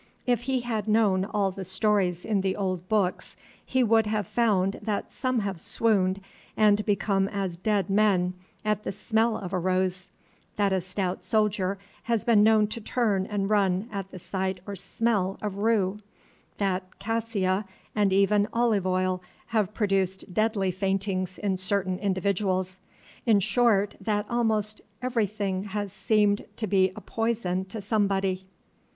If he had known all the stories in the old books, he would have found that some have swooned and become as dead men at the smell of a rose, that a stout soldier has been known to turn and run at the sight or smell of rue, that cassia and even olive oil have produced deadly faintings in certain individuals, in short, that almost everything has seemed to be a poison to somebody.